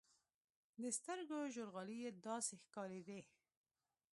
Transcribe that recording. د سترګو ژورغالي يې داسې ښکارېدې.